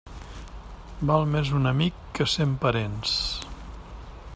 Val més un amic que cent parents.